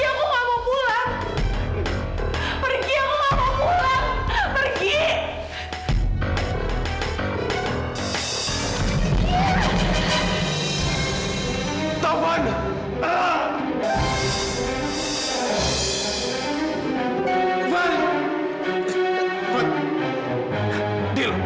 enggak enggak dil